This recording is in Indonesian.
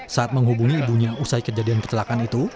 saat menghubungi ibunya usai kejadian kecelakaan itu